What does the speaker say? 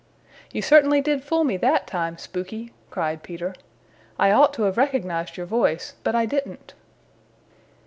"You certainly did fool me that time, Spooky," cried Peter. "I ought to have recognized your voice, but I didn't."